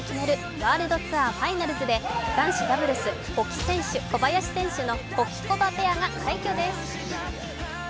ワールドツアーファイナルズで男子ダブルス、保木選手、小林選手のホキコバペアが快挙です。